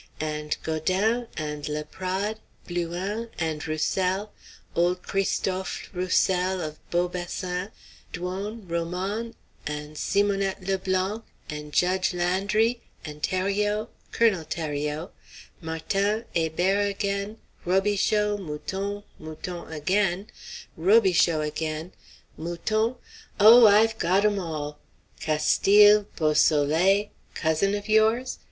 And Gaudin, and Laprade, Blouin, and Roussel, old Christofle Roussel of Beau Bassin, Duhon, Roman and Simonette Le Blanc, and Judge Landry, and Thériot, Colonel Thériot, Martin, Hébert again, Robichaux, Mouton, Mouton again, Robichaux again, Mouton oh, I've got 'em all! Castille, Beausoleil cousin of yours?